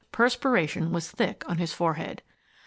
Perspiration was thick on his forehead.